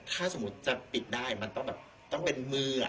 ถ้าสมมุติจะปิดได้มันต้องแบบต้องเป็นมือ